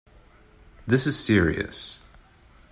This is serious.